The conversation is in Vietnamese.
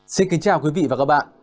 xin kính chào quý vị và các bạn